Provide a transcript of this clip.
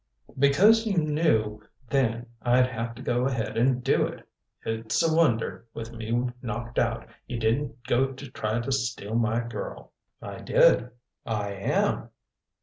"Because you knew then I'd have to go ahead and do it. It's a wonder, with me knocked out, you didn't go try to steal my girl." "I did. I am."